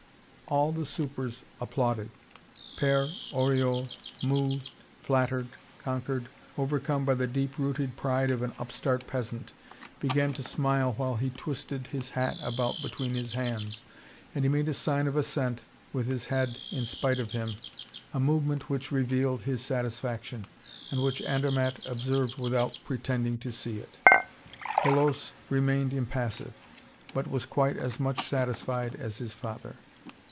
All the "supers" applauded. Père Oriol, moved, flattered, conquered, overcome by the deep rooted pride of an upstart peasant, began to smile while he twisted his hat about between his hands, and he made a sign of assent with his head in spite of him, a movement which revealed his satisfaction, and which Andermatt observed without pretending to see it. Colosse remained impassive, but was quite as much satisfied as his father.